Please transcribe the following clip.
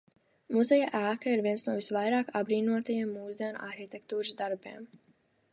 Muzeja ēka ir viens no visvairāk apbrīnotajiem mūsdienu arhitektūras darbiem.